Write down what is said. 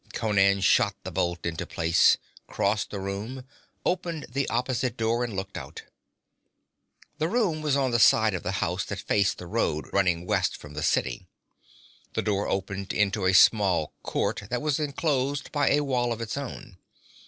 Conan shot the bolt into place, crossed the room, opened the opposite door and looked out. The room was on the side of the house that faced the road running west from the city. The door opened into a small court that was enclosed by a wall of its own.